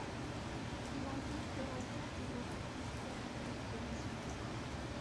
Il indique qu'il regrette avoir participé à cette expédition.